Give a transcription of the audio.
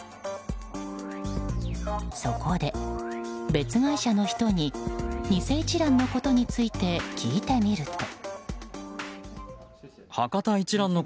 そこで、別会社の人に偽一蘭のことについて聞いてみると。